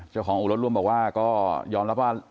เจ้าของอุรสร่วมบอกว่าย้อนรับว่า